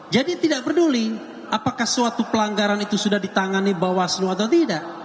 jadi tidak peduli apakah suatu pelanggaran itu sudah ditangani bawaslu atau tidak